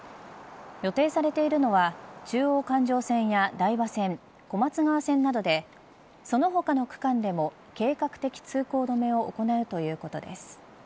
予定されているのは中央環状線や台場線小松川線などでその他の区間でも計画的通行止めを行うということです。